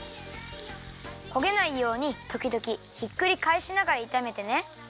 こげないようにときどきひっくりかえしながらいためてね。